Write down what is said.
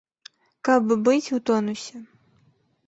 Каб быць у тонусе.